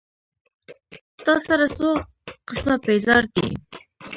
تا سره څو قسمه پېزار دي